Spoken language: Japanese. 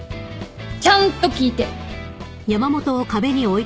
ちゃんと聞いて。